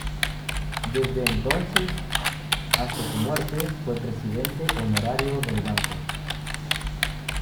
Desde entonces hasta su muerte fue presidente honorario del banco.